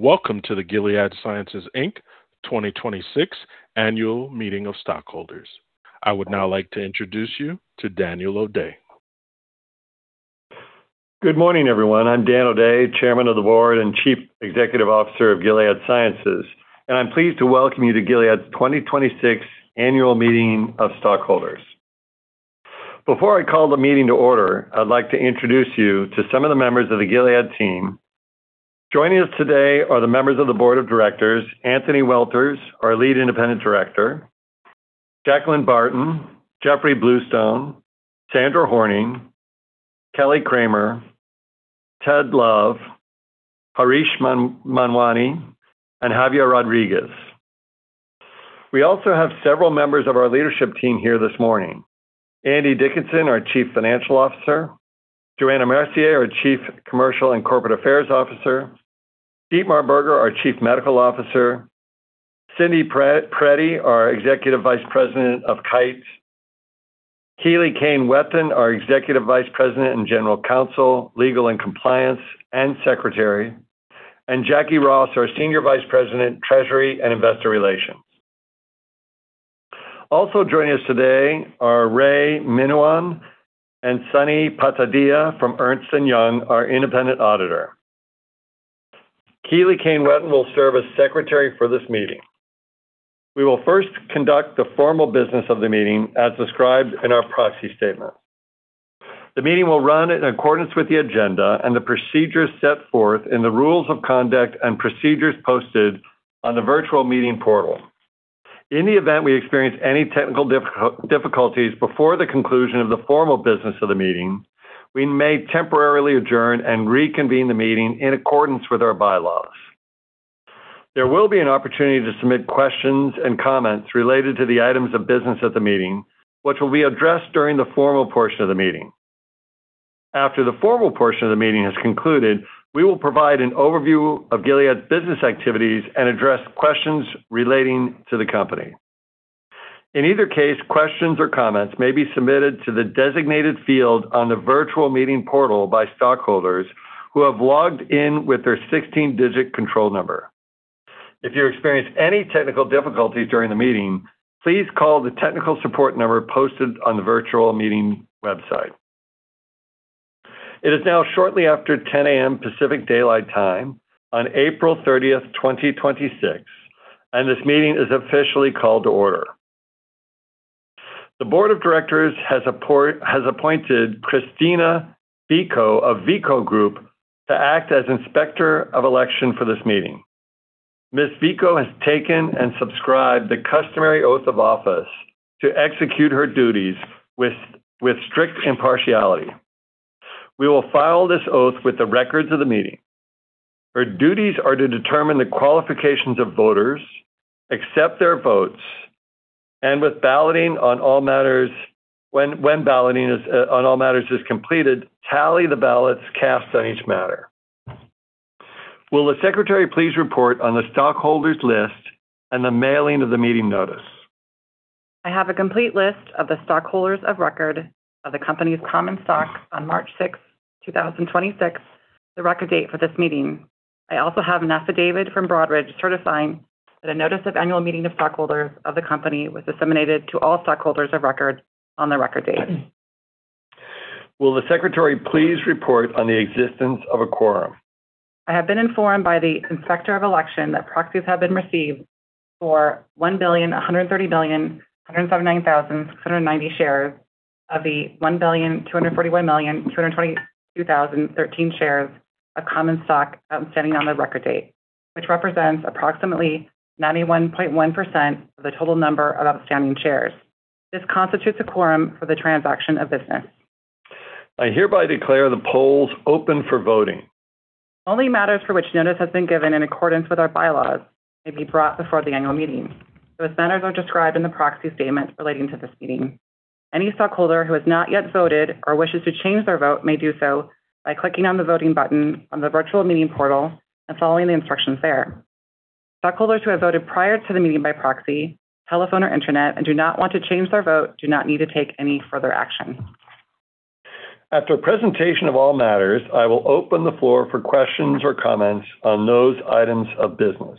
Welcome to the Gilead Sciences, Inc. 2026 Annual Meeting of Stockholders. I would now like to introduce you to Daniel O'Day. Good morning, everyone. I'm Dan O'Day, Chairman of the Board and Chief Executive Officer of Gilead Sciences, I'm pleased to welcome you to Gilead's 2026 Annual Meeting of Stockholders. Before I call the meeting to order, I'd like to introduce you to some of the members of the Gilead team. Joining us today are the members of the Board of Directors, Anthony Welters, our Lead Independent Director, Jacqueline Barton, Jeffrey Bluestone, Sandra Horning, Kelly Kramer, Ted Love, Harish Manwani, and Javier Rodriguez. We also have several members of our leadership team here this morning. Andy Dickinson, our Chief Financial Officer, Johanna Mercier, our Chief Commercial and Corporate Affairs Officer, Dietmar Berger, our Chief Medical Officer, Cindy Perettie, our Executive Vice President of Kite, Keeley Cain Wettan, our Executive Vice President and General Counsel, Legal and Compliance, and Secretary, and Jacquie Ross, our Senior Vice President, Treasury and Investor Relations. Also joining us today are Ray Minland and Sunny Patadia from Ernst & Young, our independent auditor. Keeley Cain Wettan will serve as Secretary for this meeting. We will first conduct the formal business of the meeting as described in our proxy statement. The meeting will run in accordance with the agenda and the procedures set forth in the rules of conduct and procedures posted on the virtual meeting portal. In the event we experience any technical difficulties before the conclusion of the formal business of the meeting, we may temporarily adjourn and reconvene the meeting in accordance with our bylaws. There will be an opportunity to submit questions and comments related to the items of business at the meeting, which will be addressed during the formal portion of the meeting. After the formal portion of the meeting has concluded, we will provide an overview of Gilead's business activities and address questions relating to the company. In either case, questions or comments may be submitted to the designated field on the virtual meeting portal by stockholders who have logged in with their 16-digit control number. If you experience any technical difficulties during the meeting, please call the technical support number posted on the virtual meeting website. It is now shortly after 10:00 A.M. Pacific Daylight Time on April 30th, 2026, and this meeting is officially called to order. The board of directors has appointed Christina Vico of VICO Group to act as Inspector of Election for this meeting. Ms. Vico has taken and subscribed the customary oath of office to execute her duties with strict impartiality. We will file this oath with the records of the meeting. Her duties are to determine the qualifications of voters, accept their votes, and when balloting on all matters is completed, tally the ballots cast on each matter. Will the Secretary please report on the stockholders list and the mailing of the meeting notice? I have a complete list of the stockholders of record of the company's common stock on March 6th, 2026, the record date for this meeting. I also have an affidavit from Broadridge certifying that a notice of annual meeting of stockholders of the company was disseminated to all stockholders of record on the record date. Will the Secretary please report on the existence of a quorum? I have been informed by the Inspector of Election that proxies have been received for 1,130,179,690 shares of the 1,241,222,013 shares of common stock outstanding on the record date, which represents approximately 91.1% of the total number of outstanding shares. This constitutes a quorum for the transaction of business. I hereby declare the polls open for voting. Only matters for which notice has been given in accordance with our bylaws may be brought before the annual meeting. Those matters are described in the proxy statement relating to this meeting. Any stockholder who has not yet voted or wishes to change their vote may do so by clicking on the voting button on the virtual meeting portal and following the instructions there. Stockholders who have voted prior to the meeting by proxy, telephone or internet and do not want to change their vote do not need to take any further action. After a presentation of all matters, I will open the floor for questions or comments on those items of business.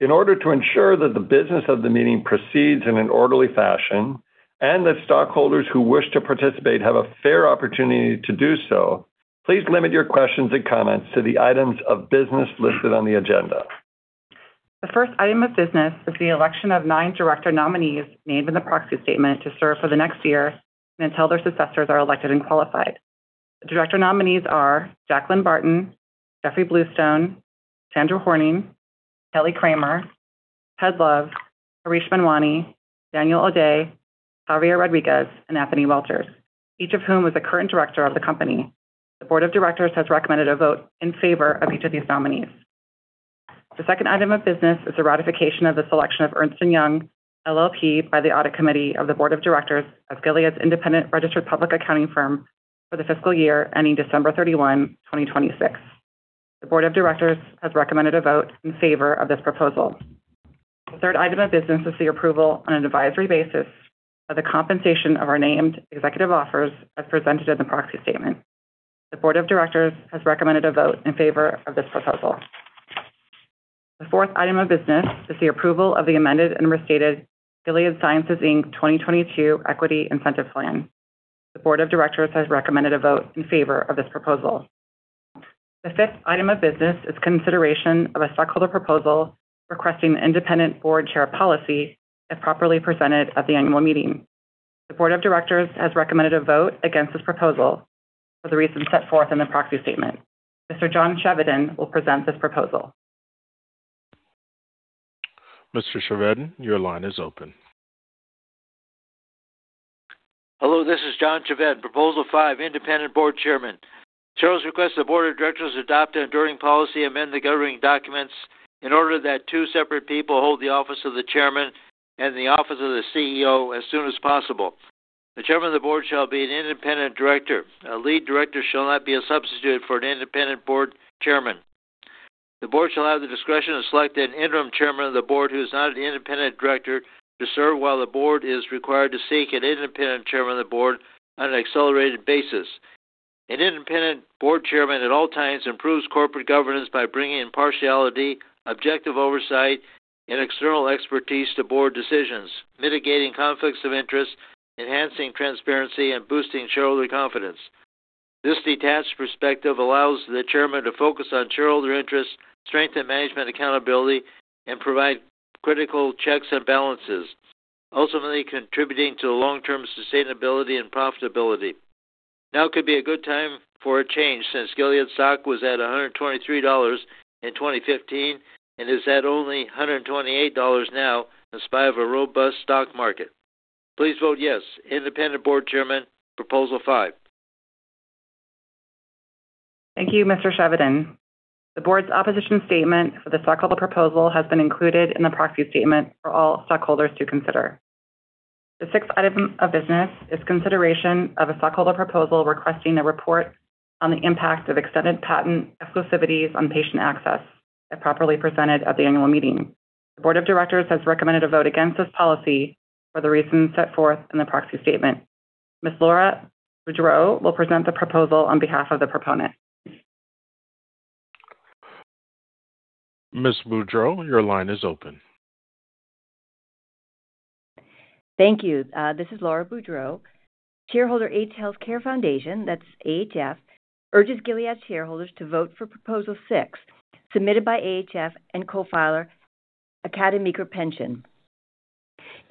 In order to ensure that the business of the meeting proceeds in an orderly fashion and that stockholders who wish to participate have a fair opportunity to do so, please limit your questions and comments to the items of business listed on the agenda. The first item of business is the election of nine director nominees named in the proxy statement to serve for the next year until their successors are elected and qualified. The director nominees are Jacqueline Barton, Jeffrey Bluestone, Sandra Horning, Kelly Kramer, Ted Love, Harish Manwani, Daniel O'Day, Javier Rodriguez, and Anthony Welters, each of whom is a current director of the company. The board of directors has recommended a vote in favor of each of these nominees. The second item of business is the ratification of the selection of Ernst & Young LLP by the Audit Committee of the Board of Directors of Gilead's independent registered public accounting firm for the fiscal year ending December 31, 2026. The board of directors has recommended a vote in favor of this proposal. The third item of business is the approval on an advisory basis of the compensation of our named executive officers as presented in the proxy statement. The board of directors has recommended a vote in favor of this proposal. The fourth item of business is the approval of the amended and restated Gilead Sciences, Inc. 2022 equity incentive plan. The board of directors has recommended a vote in favor of this proposal. The fifth item of business is consideration of a stockholder proposal requesting an independent board chair policy, if properly presented at the annual meeting. The board of directors has recommended a vote against this proposal for the reasons set forth in the proxy statement. Mr. John Chevedden will present this proposal. Mr. Chevedden, your line is open. Hello, this is John Chevedden. Proposal 5, independent board chairman. Shareholders request the board of directors adopt an enduring policy, amend the governing documents in order that two separate people hold the office of the chairman and the office of the CEO as soon as possible. The chairman of the board shall be an independent director. A lead director shall not be a substitute for an independent board chairman. The board shall have the discretion to select an interim chairman of the board who is not an independent director to serve while the board is required to seek an independent chairman of the board on an accelerated basis. An independent board chairman at all times improves corporate governance by bringing impartiality, objective oversight, and external expertise to board decisions, mitigating conflicts of interest, enhancing transparency, and boosting shareholder confidence. This detached perspective allows the chairman to focus on shareholder interests, strengthen management accountability, and provide critical checks and balances, ultimately contributing to the long-term sustainability and profitability. Now could be a good time for a change since Gilead stock was at $123 in 2015 and is at only $128 now in spite of a robust stock market. Please vote yes. Independent board chairman, proposal 5. Thank you, Mr. Chevedden. The board's opposition statement for the stockholder proposal has been included in the proxy statement for all stockholders to consider. The sixth item of business is consideration of a stockholder proposal requesting a report on the impact of extended patent exclusivities on patient access, if properly presented at the annual meeting. The board of directors has recommended a vote against this policy for the reasons set forth in the proxy statement. Ms. Laura Boudreau will present the proposal on behalf of the proponent. Ms. Boudreau, your line is open. Thank you. This is Laura Boudreau. Shareholder AIDS Healthcare Foundation, that's AHF, urges Gilead shareholders to vote for Proposal 6, submitted by AHF and co-filer The Academy Group.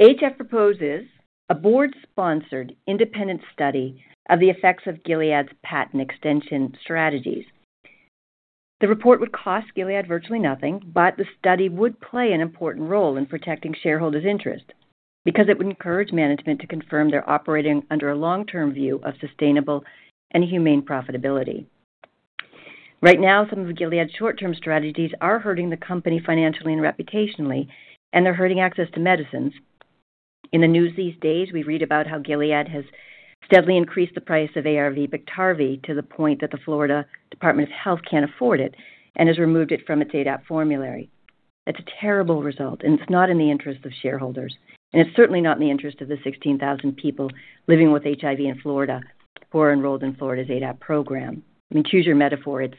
AHF proposes a board-sponsored independent study of the effects of Gilead's patent extension strategies. The report would cost Gilead virtually nothing. The study would play an important role in protecting shareholders' interest because it would encourage management to confirm they're operating under a long-term view of sustainable and humane profitability. Right now, some of Gilead's short-term strategies are hurting the company financially and reputationally. They're hurting access to medicines. In the news these days, we read about how Gilead has steadily increased the price of ARV Biktarvy to the point that the Florida Department of Health can't afford it and has removed it from its ADAP formulary. That's a terrible result, and it's not in the interest of shareholders, and it's certainly not in the interest of the 16,000 people living with HIV in Florida who are enrolled in Florida's ADAP program. I mean, choose your metaphor. It's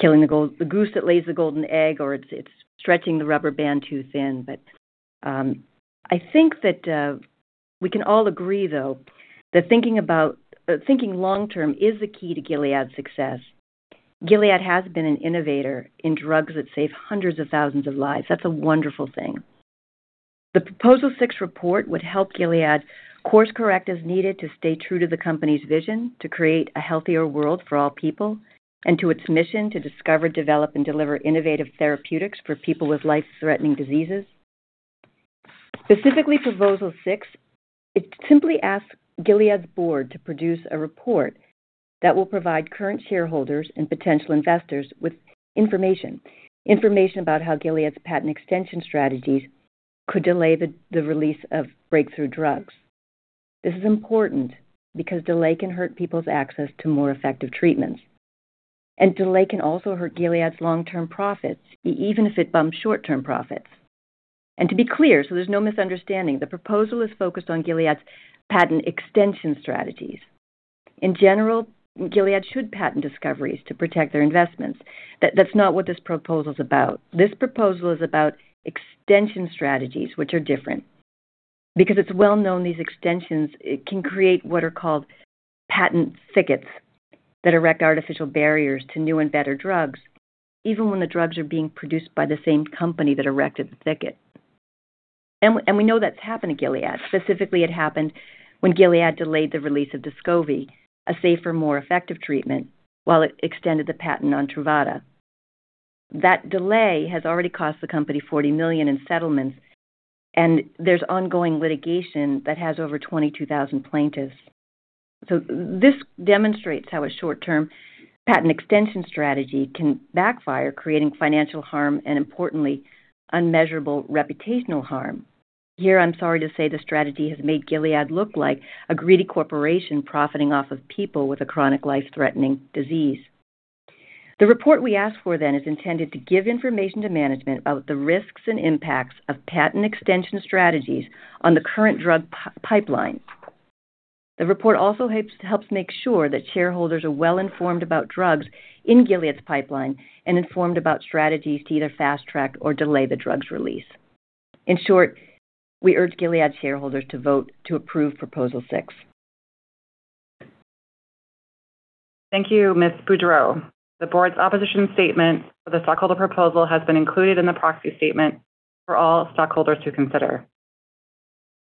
killing the goose that lays the golden egg, or it's stretching the rubber band too thin. I think that we can all agree, though, that thinking long term is the key to Gilead's success. Gilead has been an innovator in drugs that save hundreds of thousands of lives. That's a wonderful thing. The Proposal 6 report would help Gilead course-correct as needed to stay true to the company's vision to create a healthier world for all people and to its mission to discover, develop, and deliver innovative therapeutics for people with life-threatening diseases. Specifically, Proposal 6, it simply asks Gilead's board to produce a report that will provide current shareholders and potential investors with information about how Gilead's patent extension strategies could delay the release of breakthrough drugs. This is important because delay can hurt people's access to more effective treatments, delay can also hurt Gilead's long-term profits, even if it bumps short-term profits. To be clear, there's no misunderstanding, the proposal is focused on Gilead's patent extension strategies. In general, Gilead should patent discoveries to protect their investments. That's not what this proposal is about. This proposal is about extension strategies, which are different because it's well known these extensions can create what are called patent thickets that erect artificial barriers to new and better drugs, even when the drugs are being produced by the same company that erected the thicket. We know that's happened at Gilead. Specifically, it happened when Gilead delayed the release of Descovy, a safer, more effective treatment, while it extended the patent on Truvada. That delay has already cost the company $40 million in settlements, and there's ongoing litigation that has over 22,000 plaintiffs. This demonstrates how a short-term patent extension strategy can backfire, creating financial harm and, importantly, unmeasurable reputational harm. Here, I'm sorry to say the strategy has made Gilead look like a greedy corporation profiting off of people with a chronic life-threatening disease. The report we asked for is intended to give information to management about the risks and impacts of patent extension strategies on the current drug pipeline. The report also helps make sure that shareholders are well-informed about drugs in Gilead's pipeline and informed about strategies to either fast-track or delay the drug's release. In short, we urge Gilead shareholders to vote to approve Proposal 6. Thank you, Ms. Boudreau. The board's opposition statement for the stockholder proposal has been included in the proxy statement for all stockholders to consider.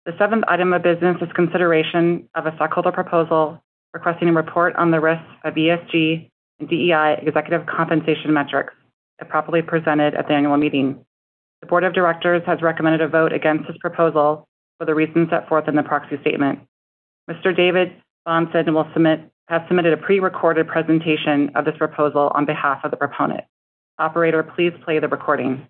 The seventh item of business is consideration of a stockholder proposal requesting a report on the risks of ESG and DEI executive compensation metrics, if properly presented at the annual meeting. The board of directors has recommended a vote against this proposal for the reasons set forth in the proxy statement. Mr. David Bahnsen has submitted a pre-recorded presentation of this proposal on behalf of the proponent. Operator, please play the recording.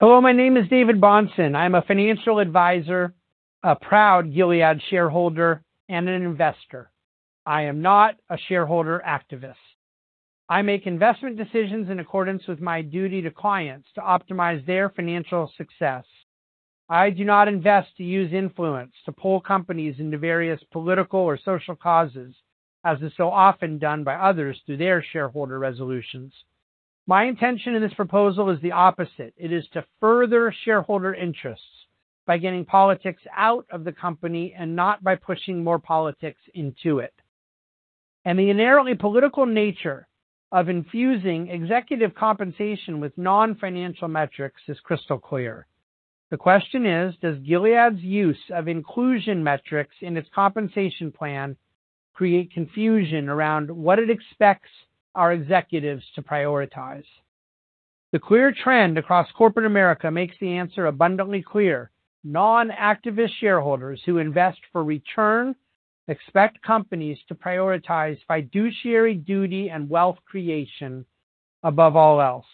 Hello, my name is David Bahnsen. I am a financial advisor, a proud Gilead shareholder, and an investor. I am not a shareholder activist. I make investment decisions in accordance with my duty to clients to optimize their financial success. I do not invest to use influence to pull companies into various political or social causes, as is so often done by others through their shareholder resolutions. My intention in this proposal is the opposite. It is to further shareholder interests by getting politics out of the company and not by pushing more politics into it. The inherently political nature of infusing executive compensation with non-financial metrics is crystal clear. The question is: Does Gilead's use of inclusion metrics in its compensation plan create confusion around what it expects our executives to prioritize? The clear trend across corporate America makes the answer abundantly clear. Non-activist shareholders who invest for return expect companies to prioritize fiduciary duty and wealth creation above all else.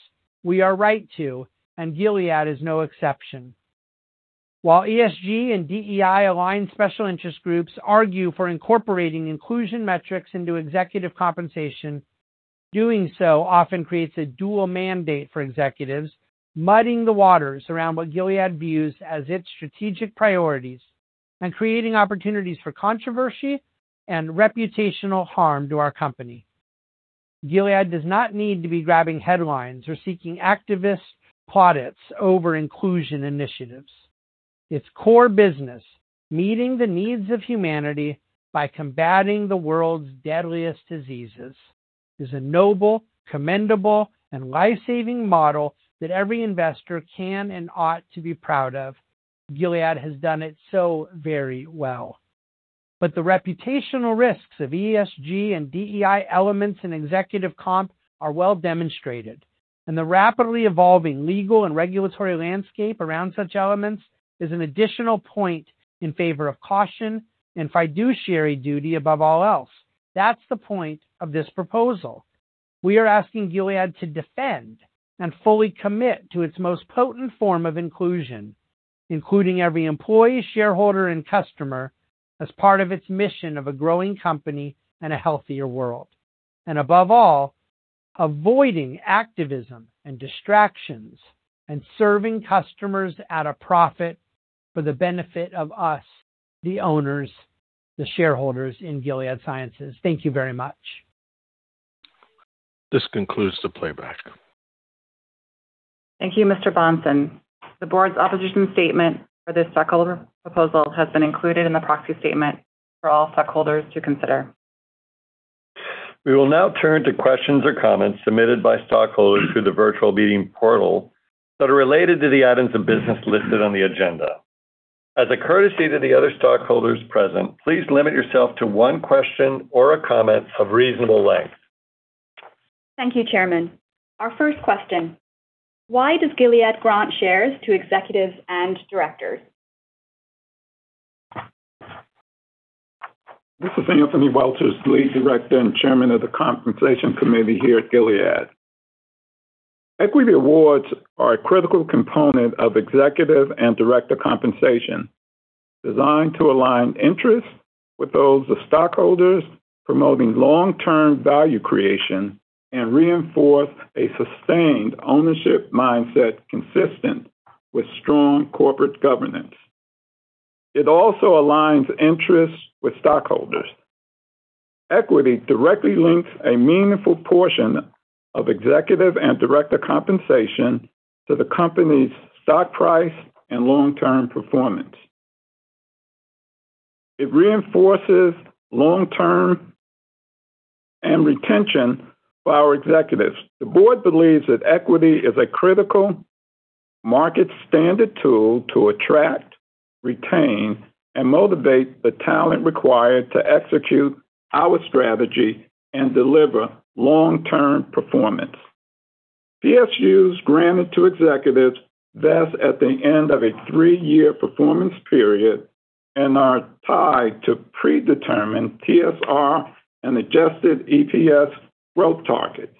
We are right to, and Gilead is no exception. While ESG and DEI-aligned special interest groups argue for incorporating inclusion metrics into executive compensation, doing so often creates a dual mandate for executives, mudding the waters around what Gilead views as its strategic priorities and creating opportunities for controversy and reputational harm to our company. Gilead does not need to be grabbing headlines or seeking activist plaudits over inclusion initiatives. Its core business, meeting the needs of humanity by combating the world's deadliest diseases, is a noble, commendable, and life-saving model that every investor can and ought to be proud of. Gilead has done it so very well. The reputational risks of ESG and DEI elements in executive comp are well demonstrated, and the rapidly evolving legal and regulatory landscape around such elements is an additional point in favor of caution and fiduciary duty above all else. That's the point of this proposal. We are asking Gilead to defend and fully commit to its most potent form of inclusion, including every employee, shareholder, and customer as part of its mission of a growing company and a healthier world. Above all, avoiding activism and distractions, and serving customers at a profit for the benefit of us, the owners, the shareholders in Gilead Sciences. Thank you very much. This concludes the playback. Thank you, Mr. Bahnsen. The board's opposition statement for this stockholder proposal has been included in the proxy statement for all stockholders to consider. We will now turn to questions or comments submitted by stockholders through the virtual meeting portal that are related to the items of business listed on the agenda. As a courtesy to the other stockholders present, please limit yourself to one question or a comment of reasonable length. Thank you, Chairman. Our first question: Why does Gilead grant shares to executives and directors? This is Anthony Welters, Lead Director and Chairman of the Compensation Committee here at Gilead. Equity awards are a critical component of executive and Director compensation, designed to align interests with those of stockholders, promoting long-term value creation, and reinforce a sustained ownership mindset consistent with strong corporate governance. It also aligns interests with stockholders. Equity directly links a meaningful portion of executive and Director compensation to the company's stock price and long-term performance. It reinforces long-term and retention for our executives. The board believes that equity is a critical market standard tool to attract, retain, and motivate the talent required to execute our strategy and deliver long-term performance. PSUs granted to executives vest at the end of a three-year performance period and are tied to predetermined TSR and adjusted EPS growth targets.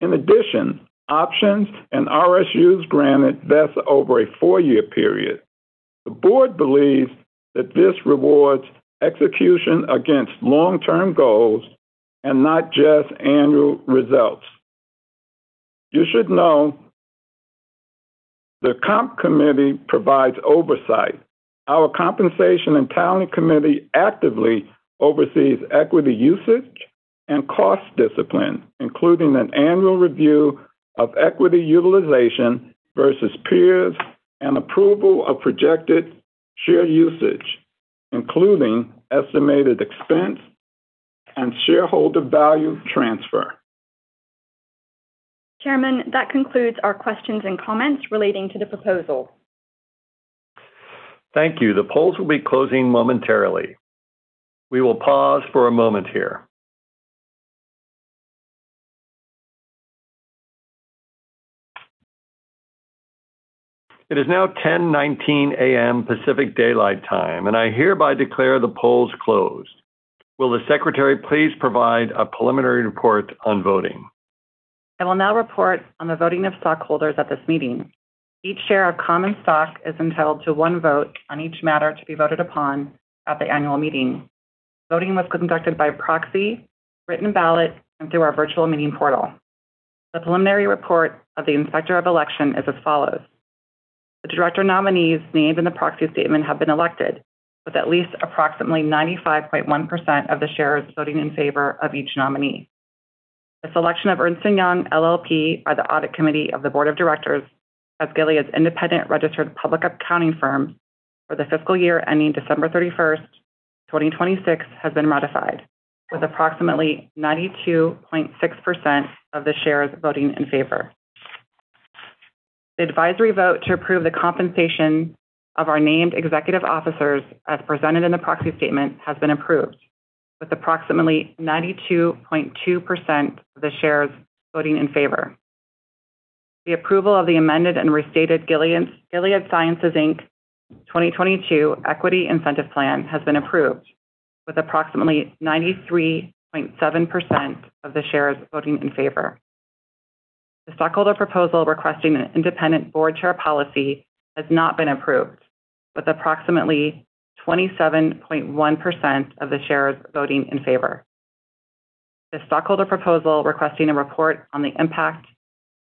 In addition, options and RSUs granted vest over a four-year period. The board believes that this rewards execution against long-term goals and not just annual results. You should know the comp committee provides oversight. Our compensation and talent committee actively oversees equity usage and cost discipline, including an annual review of equity utilization versus peers and approval of projected share usage, including estimated expense and shareholder value transfer. Chairman, that concludes our questions and comments relating to the proposal. Thank you. The polls will be closing momentarily. We will pause for a moment here. It is now 10:19 A.M. Pacific Daylight Time, and I hereby declare the polls closed. Will the secretary please provide a preliminary report on voting? I will now report on the voting of stockholders at this meeting. Each share of common stock is entitled to one vote on each matter to be voted upon at the annual meeting. Voting was conducted by proxy, written ballot, and through our virtual meeting portal. The preliminary report of the Inspector of Election is as follows. The director nominees' names in the proxy statement have been elected, with at least approximately 95.1% of the shares voting in favor of each nominee. The selection of Ernst & Young LLP by the Audit Committee of the Board of Directors as Gilead's independent registered public accounting firm for the fiscal year ending December 31st, 2026 has been ratified, with approximately 92.6% of the shares voting in favor. The advisory vote to approve the compensation of our named executive officers, as presented in the proxy statement, has been approved, with approximately 92.2% of the shares voting in favor. The approval of the amended and restated Gilead Sciences, Inc. 2022 equity incentive plan has been approved, with approximately 93.7% of the shares voting in favor. The stockholder proposal requesting an independent board chair policy has not been approved, with approximately 27.1% of the shares voting in favor. The stockholder proposal requesting a report on the impact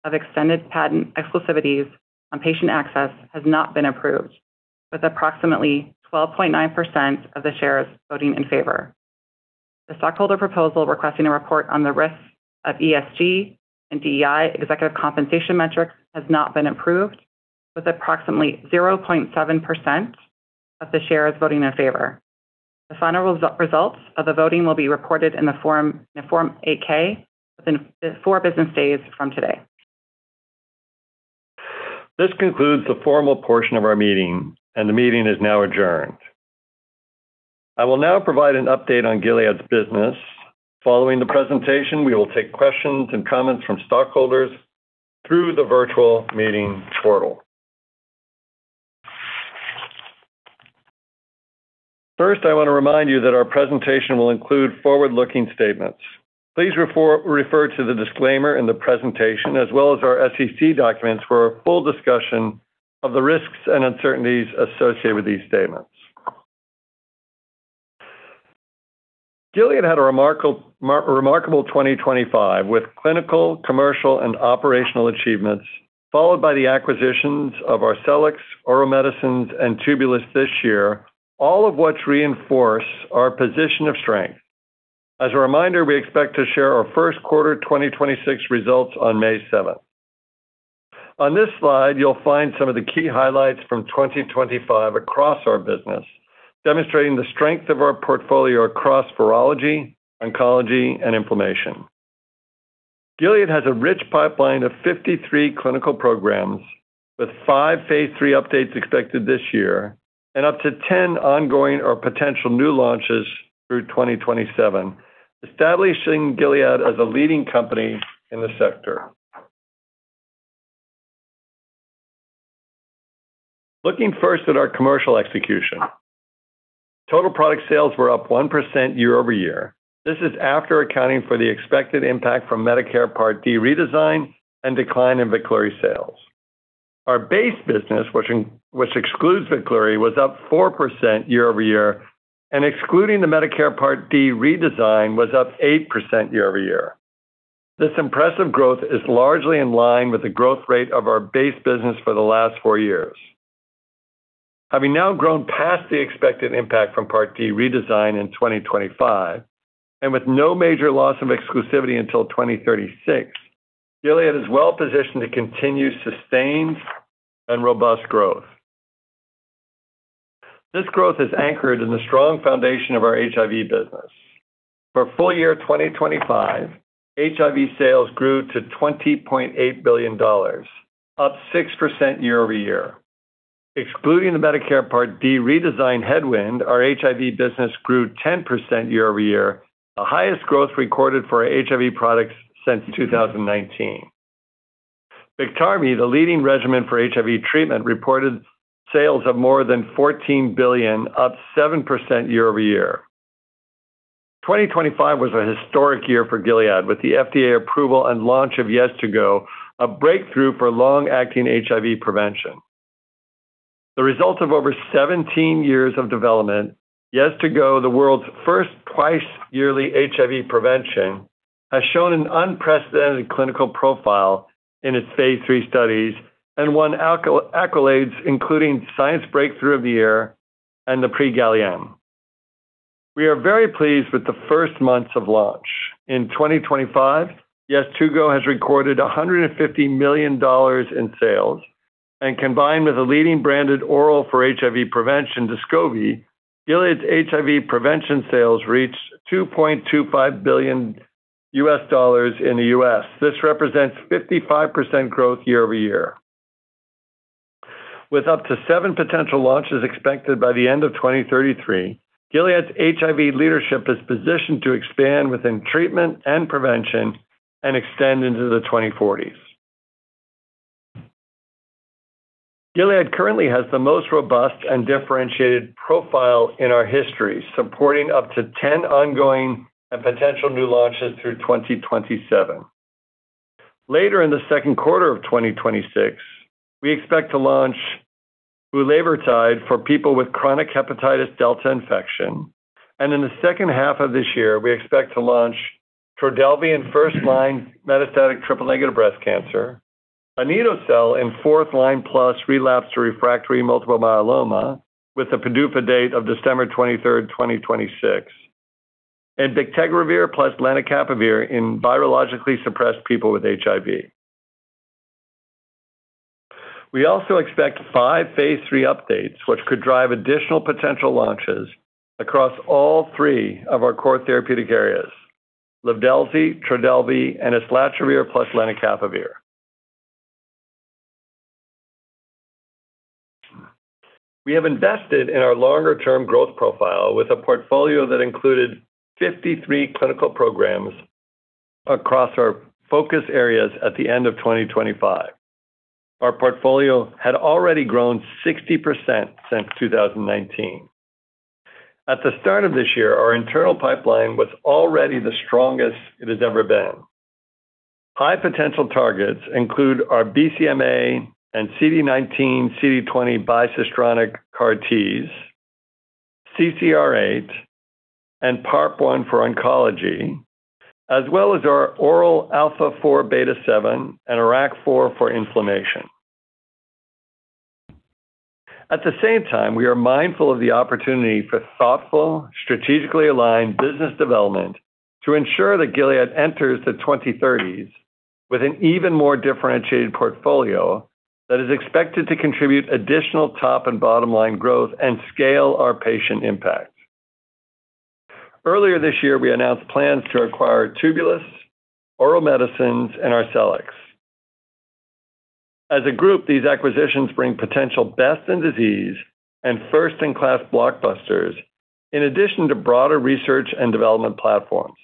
of extended patent exclusivities on patient access has not been approved, with approximately 12.9% of the shares voting in favor. The stockholder proposal requesting a report on the risks of ESG and DEI executive compensation metrics has not been approved, with approximately 0.7% of the shares voting in favor. The final results of the voting will be reported in the Form 8-K within four business days from today. This concludes the formal portion of our meeting, and the meeting is now adjourned. I will now provide an update on Gilead's business. Following the presentation, we will take questions and comments from stockholders through the virtual meeting portal. First, I want to remind you that our presentation will include forward-looking statements. Please refer to the disclaimer in the presentation as well as our SEC documents for a full discussion of the risks and uncertainties associated with these statements. Gilead had a remarkable 2025, with clinical, commercial, and operational achievements, followed by the acquisitions of Arcellx, Ouro Medicines, and Tubulis this year, all of which reinforce our position of strength. As a reminder, we expect to share our first quarter 2026 results on May 7th. On this slide, you'll find some of the key highlights from 2025 across our business, demonstrating the strength of our portfolio across virology, oncology, and inflammation. Gilead has a rich pipeline of 53 clinical programs with five phase III updates expected this year and up to 10 ongoing or potential new launches through 2027, establishing Gilead as a leading company in the sector. Looking first at our commercial execution. Total product sales were up 1% year-over-year. This is after accounting for the expected impact from Medicare Part D redesign and decline in Veklury sales. Our base business, which excludes Veklury, was up 4% year-over-year and excluding the Medicare Part D redesign, was up 8% year-over-year. This impressive growth is largely in line with the growth rate of our base business for the last 4 years. Having now grown past the expected impact from Medicare Part D redesign in 2025 and with no major loss of exclusivity until 2036, Gilead is well-positioned to continue sustained and robust growth. This growth is anchored in the strong foundation of our HIV business. For full year 2025, HIV sales grew to $20.8 billion, up 6% year-over-year. Excluding the Medicare Part D redesign headwind, our HIV business grew 10% year-over-year, the highest growth recorded for our HIV products since 2019. Biktarvy, the leading regimen for HIV treatment, reported sales of more than $14 billion, up 7% year-over-year. 2025 was a historic year for Gilead with the FDA approval and launch of Yeztugo, a breakthrough for long-acting HIV prevention. The result of over 17 years of development, Yeztugo, the world's first twice-yearly HIV prevention, has shown an unprecedented clinical profile in its phase III studies and won accolades, including Science Breakthrough of the Year and the Prix Galien. We are very pleased with the first months of launch. In 2025, Yeztugo has recorded $150 million in sales, and combined with a leading branded oral for HIV prevention, Descovy, Gilead's HIV prevention sales reached $2.25 billion in the U.S. This represents 55% growth year-over-year. With up to seven potential launches expected by the end of 2033, Gilead's HIV leadership is positioned to expand within treatment and prevention and extend into the 2040s. Gilead currently has the most robust and differentiated profile in our history, supporting up to 10 ongoing and potential new launches through 2027. Later in the second quarter of 2026, we expect to launch bulevirtide for people with chronic hepatitis delta infection. In the second half of this year, we expect to launch Trodelvy in first-line metastatic triple-negative breast cancer, anito-cel in fourth-line+ relapsed or refractory multiple myeloma with a PDUFA date of December 23rd, 2026, and bictegravir plus lenacapavir in virologically suppressed people with HIV. We also expect five phase III updates, which could drive additional potential launches across all three of our core therapeutic areas, Livdelzi, Trodelvy, and islatravir plus lenacapavir. We have invested in our longer-term growth profile with a portfolio that included 53 clinical programs across our focus areas at the end of 2025. Our portfolio had already grown 60% since 2019. At the start of this year, our internal pipeline was already the strongest it has ever been. High-potential targets include our BCMA and CD19, CD20 bicistronic CAR Ts, CCR8, and PARP-1 for oncology, as well as our oral alpha-4 beta-7 and IRAK4 for inflammation. At the same time, we are mindful of the opportunity for thoughtful, strategically aligned business development to ensure that Gilead enters the 2030s with an even more differentiated portfolio that is expected to contribute additional top and bottom-line growth and scale our patient impact. Earlier this year, we announced plans to acquire Tubulis, Ouro Medicines, and Arcellx. As a group, these acquisitions bring potential best-in-disease and first-in-class blockbusters in addition to broader research and development platforms.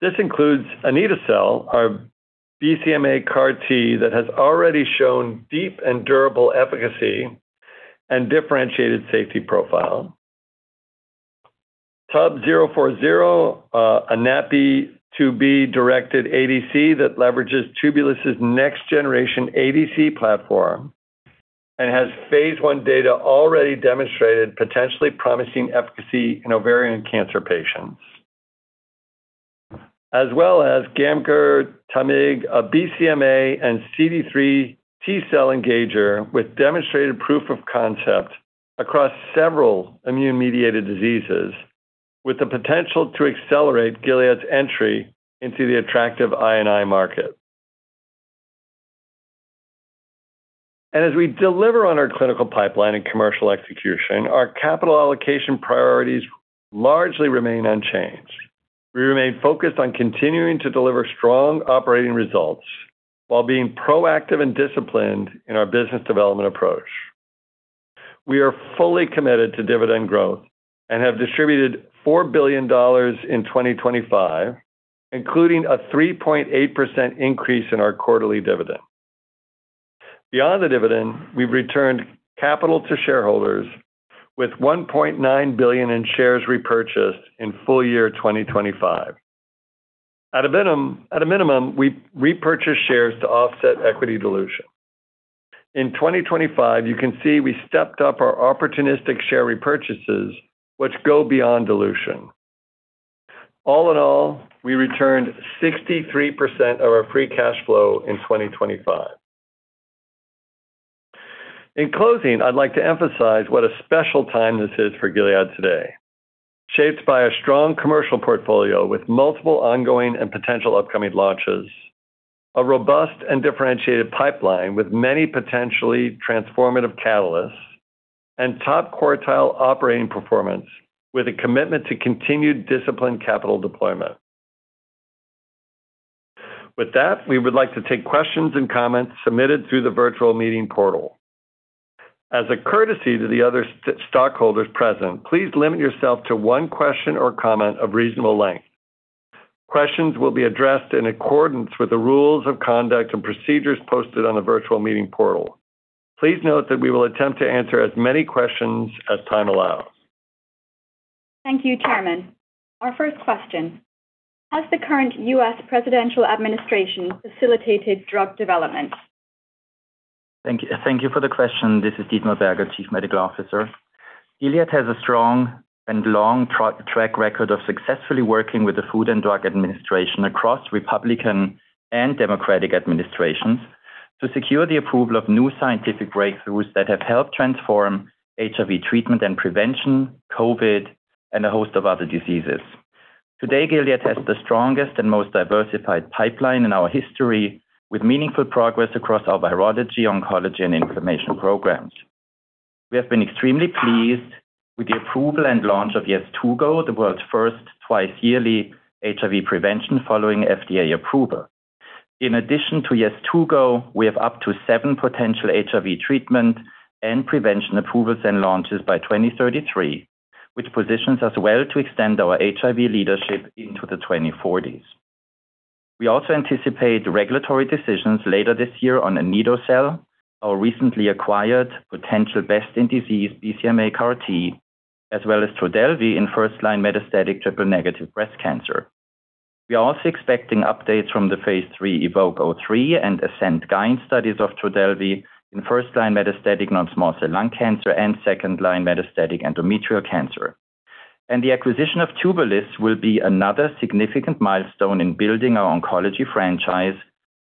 This includes anito-cel, our BCMA CAR T that has already shown deep and durable efficacy and differentiated safety profile. TUB-040, a NaPi2b-directed ADC that leverages Tubulis' next-generation ADC platform and has phase I data already demonstrated potentially promising efficacy in ovarian cancer patients. As well as gamgertamig, a BCMA and CD3 T-cell engager with demonstrated proof of concept across several immune-mediated diseases with the potential to accelerate Gilead's entry into the attractive I&I market. As we deliver on our clinical pipeline and commercial execution, our capital allocation priorities largely remain unchanged. We remain focused on continuing to deliver strong operating results while being proactive and disciplined in our business development approach. We are fully committed to dividend growth and have distributed $4 billion in 2025, including a 3.8% increase in our quarterly dividend. Beyond the dividend, we've returned capital to shareholders with $1.9 billion in shares repurchased in full year 2025. At a minimum, we repurchase shares to offset equity dilution. In 2025, you can see we stepped up our opportunistic share repurchases, which go beyond dilution. All in all, we returned 63% of our free cash flow in 2025. In closing, I'd like to emphasize what a special time this is for Gilead today. Shaped by a strong commercial portfolio with multiple ongoing and potential upcoming launches, a robust and differentiated pipeline with many potentially transformative catalysts, and top quartile operating performance with a commitment to continued disciplined capital deployment. With that, we would like to take questions and comments submitted through the virtual meeting portal. As a courtesy to the other stockholders present, please limit yourself to one question or comment of reasonable length. Questions will be addressed in accordance with the rules of conduct and procedures posted on the virtual meeting portal. Please note that we will attempt to answer as many questions as time allows. Thank you, Chairman. Our first question: Has the current U.S. presidential administration facilitated drug development? Thank you for the question. This is Dietmar Berger, Chief Medical Officer. Gilead has a strong and long track record of successfully working with the Food and Drug Administration across Republican and Democratic administrations to secure the approval of new scientific breakthroughs that have helped transform HIV treatment and prevention, COVID, and a host of other diseases. Today, Gilead has the strongest and most diversified pipeline in our history, with meaningful progress across our virology, oncology, and inflammation programs. We have been extremely pleased with the approval and launch of Yeztugo, the world's first twice-yearly HIV prevention following FDA approval. In addition to Yeztugo, we have up to seven potential HIV treatment and prevention approvals and launches by 2033, which positions us well to extend our HIV leadership into the 2040s. We also anticipate regulatory decisions later this year on anito-cel, our recently acquired potential best-in-disease BCMA CAR T, as well as Trodelvy in first-line metastatic triple-negative breast cancer. We are also expecting updates from the phase III EVOKE-03 and ASCENT-GYN-01 studies of Trodelvy in first-line metastatic non-small cell lung cancer and second-line metastatic endometrial cancer. The acquisition of Tubulis will be another significant milestone in building our oncology franchise,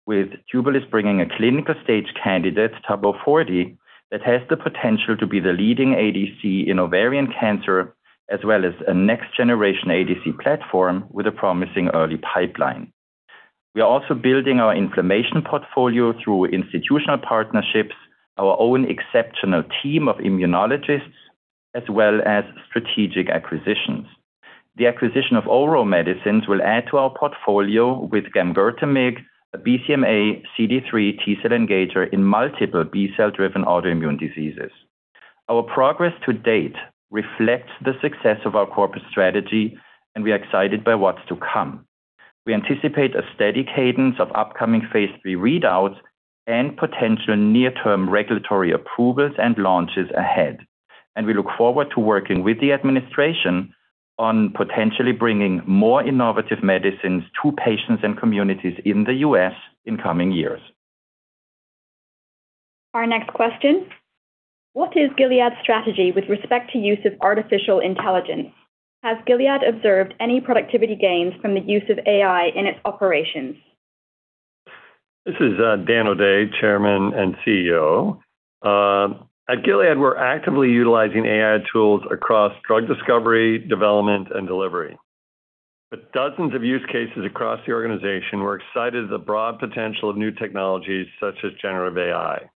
with Tubulis bringing a clinical-stage candidate, TUB-040, that has the potential to be the leading ADC in ovarian cancer, as well as a next-generation ADC platform with a promising early pipeline. We are also building our inflammation portfolio through institutional partnerships, our own exceptional team of immunologists, as well as strategic acquisitions. The acquisition of Ouro Medicines will add to our portfolio with gamgertamig, a BCMA CD3 T cell engager in multiple B-cell-driven autoimmune diseases. Our progress to date reflects the success of our corporate strategy. We are excited by what's to come. We anticipate a steady cadence of upcoming phase III readouts and potential near-term regulatory approvals and launches ahead. We look forward to working with the administration on potentially bringing more innovative medicines to patients and communities in the U.S. in coming years. Our next question: What is Gilead's strategy with respect to use of artificial intelligence? Has Gilead observed any productivity gains from the use of AI in its operations? This is Dan O'Day, Chairman and CEO. At Gilead, we're actively utilizing AI tools across drug discovery, development, and delivery. With dozens of use cases across the organization, we're excited at the broad potential of new technologies such as generative AI.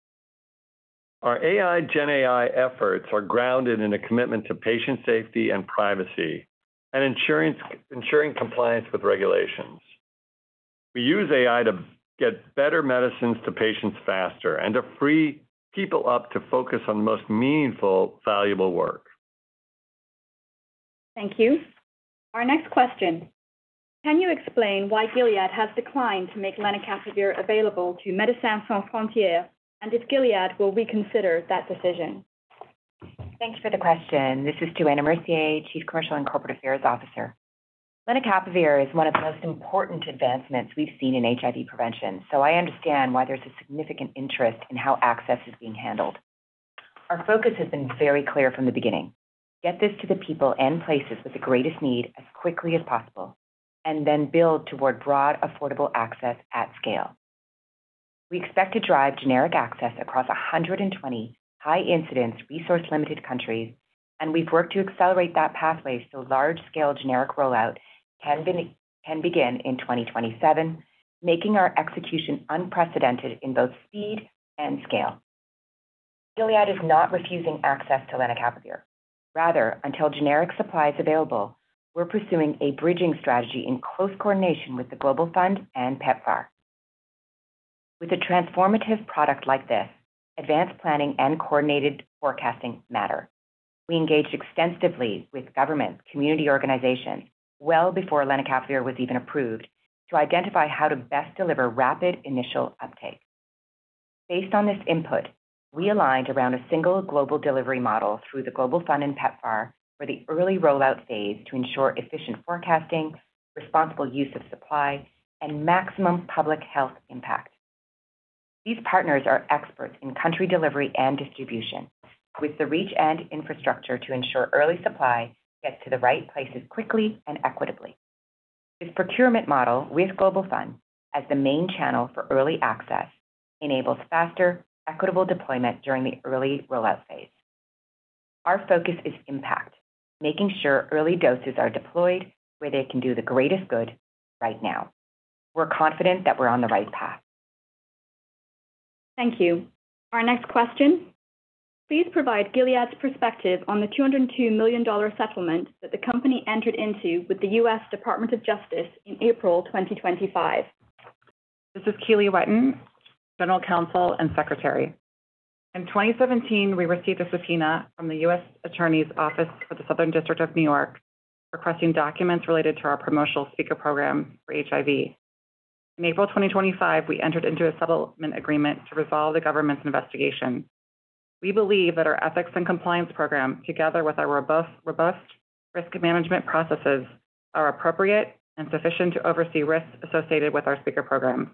Our AI/GenAI efforts are grounded in a commitment to patient safety and privacy and ensuring compliance with regulations. We use AI to get better medicines to patients faster and to free people up to focus on the most meaningful, valuable work. Thank you. Our next question: Can you explain why Gilead has declined to make lenacapavir available to Médecins Sans Frontières, and if Gilead will reconsider that decision? Thank you for the question. This is Johanna Mercier, Chief Commercial & Corporate Affairs Officer. lenacapavir is one of the most important advancements we've seen in HIV prevention, so I understand why there's a significant interest in how access is being handled. Our focus has been very clear from the beginning. Get this to the people and places with the greatest need as quickly as possible, and then build toward broad, affordable access at scale. We expect to drive generic access across 120 high-incidence, resource-limited countries, and we've worked to accelerate that pathway so large-scale generic rollout can begin in 2027, making our execution unprecedented in both speed and scale. Gilead is not refusing access to lenacapavir. Rather, until generic supply is available, we're pursuing a bridging strategy in close coordination with The Global Fund and PEPFAR. With a transformative product like this, advanced planning and coordinated forecasting matter. We engaged extensively with governments, community organizations well before lenacapavir was even approved to identify how to best deliver rapid initial uptake. Based on this input, we aligned around a single global delivery model through The Global Fund and PEPFAR for the early rollout phase to ensure efficient forecasting, responsible use of supply, and maximum public health impact. These partners are experts in country delivery and distribution with the reach and infrastructure to ensure early supply gets to the right places quickly and equitably. This procurement model with Global Fund as the main channel for early access enables faster, equitable deployment during the early rollout phase. Our focus is impact, making sure early doses are deployed where they can do the greatest good right now. We're confident that we're on the right path. Thank you. Our next question: Please provide Gilead's perspective on the $202 million settlement that the company entered into with the U.S. Department of Justice in April 2025. This is Keeley Cain Wettan, General Counsel and Secretary. In 2017, we received a subpoena from the U.S. Attorney's Office for the Southern District of New York, requesting documents related to our promotional speaker program for HIV. In April 2025, we entered into a settlement agreement to resolve the government's investigation. We believe that our ethics and compliance program, together with our robust risk management processes, are appropriate and sufficient to oversee risks associated with our speaker program.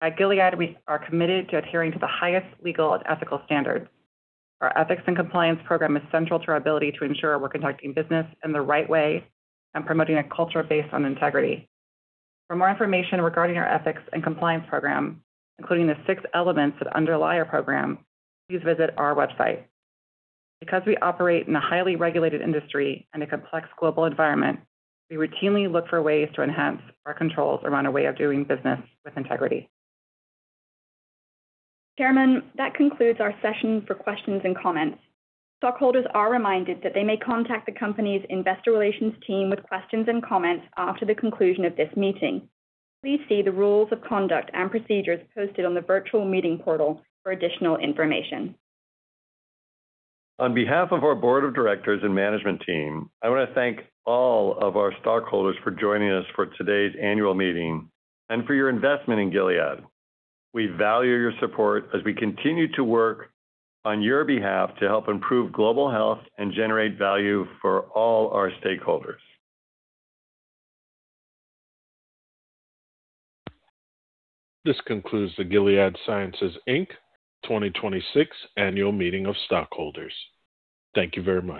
At Gilead, we are committed to adhering to the highest legal and ethical standards. Our ethics and compliance program is central to our ability to ensure we're conducting business in the right way and promoting a culture based on integrity. For more information regarding our ethics and compliance program, including the six elements that underlie our program, please visit our website. Because we operate in a highly regulated industry and a complex global environment, we routinely look for ways to enhance our controls around our way of doing business with integrity. Chairman, that concludes our session for questions and comments. Stockholders are reminded that they may contact the company's investor relations team with questions and comments after the conclusion of this meeting. Please see the rules of conduct and procedures posted on the virtual meeting portal for additional information. On behalf of our board of directors and management team, I want to thank all of our stockholders for joining us for today's annual meeting and for your investment in Gilead. We value your support as we continue to work on your behalf to help improve global health and generate value for all our stakeholders. This concludes the Gilead Sciences, Inc. 2026 Annual Meeting of Stockholders. Thank you very much